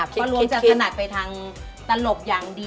เพราะรวมสักขนาดไปทางตลกอย่างดี